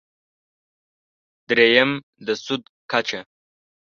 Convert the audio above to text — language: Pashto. درېیم: د سود کچه.